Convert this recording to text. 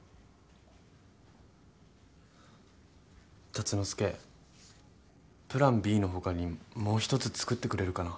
竜之介プランＢの他にもう１つ作ってくれるかな？